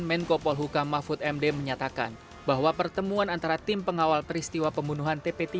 menko polhuka mahfud md menyatakan bahwa pertemuan antara tim pengawal peristiwa pembunuhan tp tiga